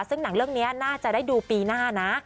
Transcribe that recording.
ซึ่งหนังเรื่องนี้น่าจะได้ดูปีหน้านะ